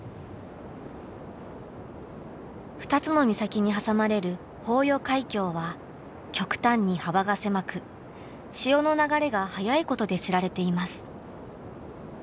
２つの岬に挟まれる豊予海峡は極端に幅が狭く潮の流れが速いことで知られています。